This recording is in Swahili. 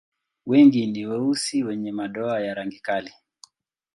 Wengi ni weusi wenye madoa ya rangi kali.